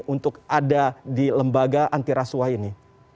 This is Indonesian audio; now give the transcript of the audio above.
untuk ada di lembaga antirasuah ini